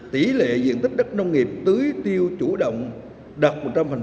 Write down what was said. tỷ lệ diện tích đất nông nghiệp tưới tiêu chủ động đạt một trăm linh